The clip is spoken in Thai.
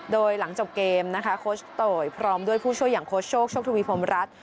โดยหลังจบเกมนะคะโคชโตยพร้อมด้วยผู้ช่วยอย่างโค้ชโชคโชคทวีพรมรัฐ